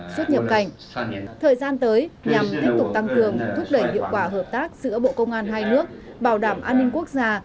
xuất nhập cảnh thời gian tới nhằm tiếp tục tăng cường thúc đẩy hiệu quả hợp tác giữa bộ công an hai nước bảo đảm an ninh quốc gia